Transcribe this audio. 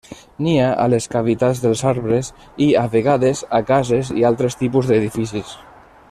Nia a les cavitats dels arbres i, a vegades, a cases i altres tipus d'edificis.